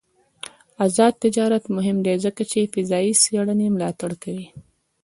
آزاد تجارت مهم دی ځکه چې فضايي څېړنې ملاتړ کوي.